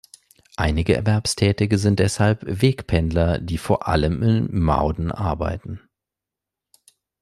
Einige Erwerbstätige sind deshalb Wegpendler, die vor allem in Moudon arbeiten.